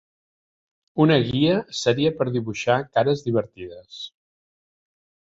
Una guia seria per dibuixar cares divertides".